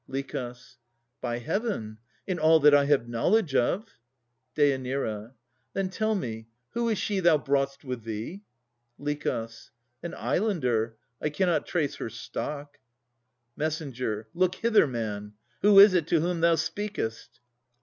LICH. By Heaven! in all that I have knowledge of. DÊ. Then tell me, who is she thou brought'st with thee? LICH. An islander. I cannot trace her stock. MESS. Look hither, man. Who is't to whom thou speakest?